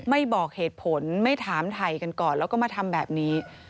ไม่บอกเหตุผลไม่ถามไทยกันก่อนแล้วก็มาทำแบบนี้